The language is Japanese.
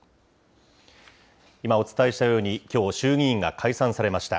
今お伝えしたように、きょう、衆議院が解散されました。